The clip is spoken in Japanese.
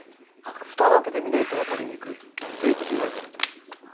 ふたを開けてみないとわかりにくいこともあるだろうと思います。